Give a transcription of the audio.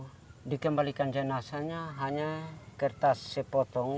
kalau dikembalikan jenazahnya hanya kertas sepotong